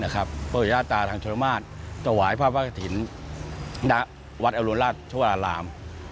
โทษย่าตาทางชนมาตรจวายพระพระถิ่นณวัดอรุณราชชวาราลาม